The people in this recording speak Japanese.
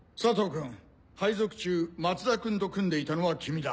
君配属中松田君と組んでいたのは君だ。